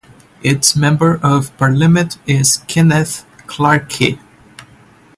Its Member of Parliament is Kenneth Clarke.